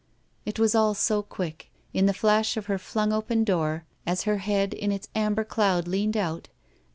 It was all so quick. In the flash of her fltmg open door, as her head in its amber cloud leaned out.